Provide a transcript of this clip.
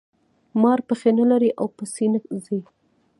مار پښې نلري او په سینه ځي